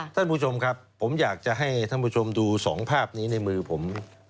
ท่านผู้ชมครับผมอยากจะให้ท่านผู้ชมดูสองภาพนี้ในมือผม